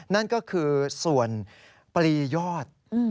นั่นก็คือส่วนปลียอด